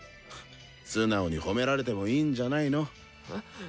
素直に褒められてもいいんじゃないの？